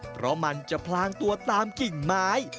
เพราะมันจะพลางตัวตามกิ่งไม้